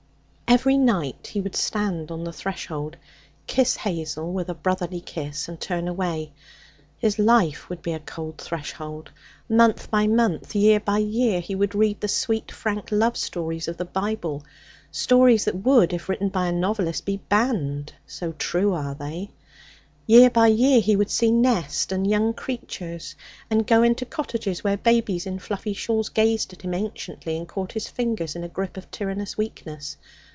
Every night he would stand on the threshold, kiss Hazel with a brotherly kiss, and turn away. His life would be a cold threshold. Month by month, year by year, he would read the sweet, frank love stories of the Bible stories that would, if written by a novelist, be banned, so true are they; year by year he would see nest and young creatures, and go into cottages where babies in fluffy shawls gazed at him anciently and caught his fingers in a grip of tyrannous weakness.